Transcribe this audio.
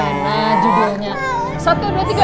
ini gimana judulnya satu dua tiga